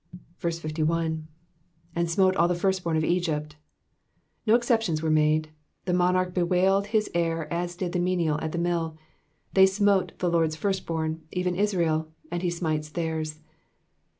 51. ^^And smote all the firstborn in Egypt.'*'' No exceptions were made, the monarch bewailed his heir as did the menial at the mill. They smote the Lord^s firstborn, evnn Israel, and he smites theirs.